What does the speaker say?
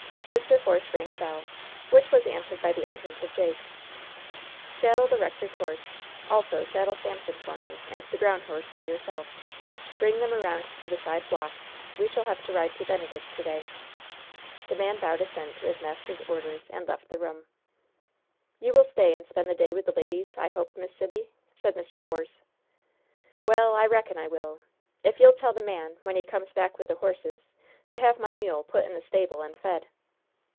Mr. Force rang a bell, which was answered by the entrance of Jake. "Saddle the rector's horse; also saddle Samson for me, and the brown horse for yourself. Bring them around to the side block. We shall have to ride to Benedict to day." The man bowed assent to his master's orders, and left the room. "You will stay and spend the day with the ladies, I hope, Miss Sibby?" said Mr. Force. "Well, I reckon I will if you'll tell the man, when he comes back with the horses, to have my mule put in the stable and fed."